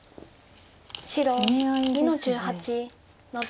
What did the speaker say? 白２の十八ノビ。